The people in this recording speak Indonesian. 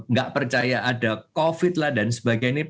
nggak percaya ada covid lah dan sebagainya